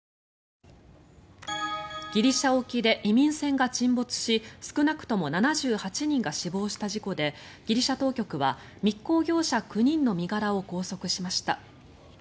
ギリシャ沖で移民船が沈没し少なくとも７８人が死亡した事故でギリシャ当局は密航業者９人の身柄を拘束しました。